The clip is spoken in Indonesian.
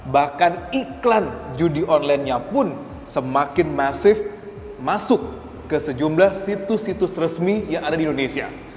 bahkan iklan judi onlinenya pun semakin masif masuk ke sejumlah situs situs resmi yang ada di indonesia